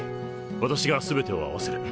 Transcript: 私が全てを合わせる。